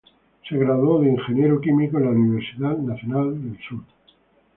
Se graduó de Ingeniero Químico en la Universidad Nacional del Sur.